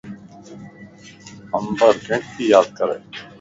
عمبر ڪينک تي ياد ڪري؟